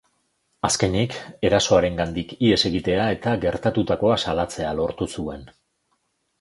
Azkenik, erasoarengandik ihes egitea eta gertatutakoa salatzea lortu zuen.